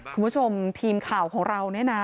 คุณผู้ชมทีมข่าวของเราเนี่ยนะ